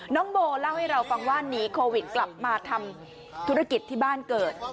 น้องโบเล่าให้เราฟังว่าหนีโควิดกลับมาทำธุรกิจที่บ้านเกิด